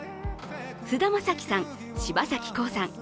菅田将暉さん、柴咲コウさん